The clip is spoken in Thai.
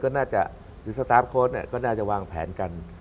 ก็น่าจะหรือสตาร์ฟโค้ดก็น่าจะวางแผนกัน